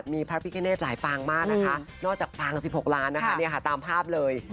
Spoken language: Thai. มีพระพิกเนตหลายปางมากนะคะนอกจากปาง๑๖ล้านนะคะตามภาพเลย